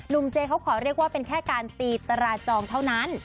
เจเขาขอเรียกว่าเป็นแค่การตีตราจองเท่านั้น